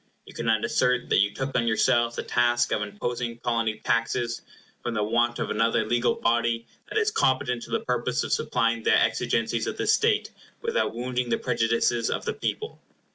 You cannot assert that you took on yourselves the task of imposing Colony taxes from the want of another legal body that is competent to the purpose of supplying the exigencies of the state without wounding the prejudices of the people.